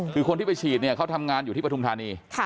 คือคนที่ไปฉีดเนี่ยเขาทำงานอยู่ที่ปฐุมธานี